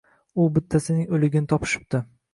U bittasining o‘ligini topishibdi.